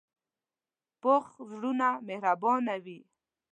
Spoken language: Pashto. پوخ زړونه مهربانه وي